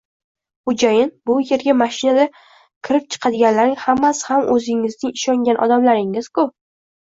Xo`jayin, bu erga mashinada kirib chiqadiganlarning hammasi ham o`zingizning ishongan odamlaringiz-ku